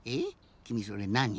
きみそれなに？